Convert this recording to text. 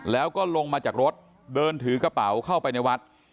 แล้วก็ลงมาจากรถเดินถือกระเป๋าเข้าไปในวัด